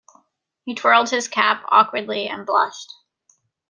He twirled his cap awkwardly and blushed.